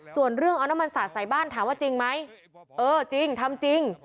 ส่วนเรื่องเอาน้ำมันสาดใส่บ้านถามว่าจริงไหมเออจริงทำจริง